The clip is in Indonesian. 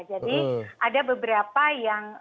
jadi ada beberapa yang